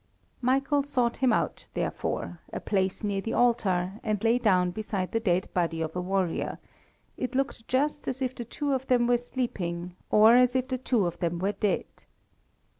Michael sought him out, therefore, a place near the altar, and lay down beside the dead body of a warrior, it looked just as if the two of them were sleeping, or as if the two of them were dead.